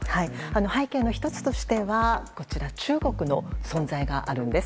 背景の１つとしては中国の存在があるんです。